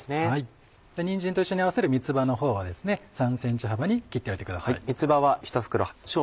にんじんと一緒に合わせる三つ葉の方は３ｃｍ幅に切っておいてください。